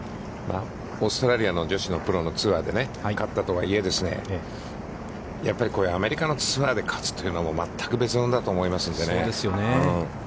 オーストラリアの女子のプロのツアーで勝ったとはいえ、やっぱりアメリカのツアーで勝つというのは、全く別物だと思いますのでね。